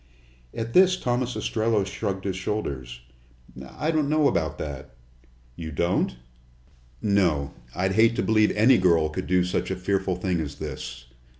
At this Thomas Ostrello shrugged his shoulders. "I don't know about that." "You don't?" "No. I'd hate to believe any girl could do such a fearful thing as this."